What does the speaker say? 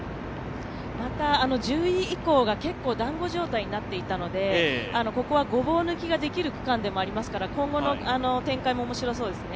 １０位以降が結構だんご状態になっていたのでここはごぼう抜きができる区間でもありますから、今後の展開も面白そうですね。